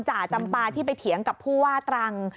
จ่าจำปาที่ไปเถียงกับผู้ว่าตรัง